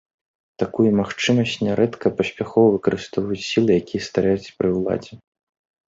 Такую магчымасць нярэдка паспяхова выкарыстоўваюць сілы, якія стаяць пры ўладзе.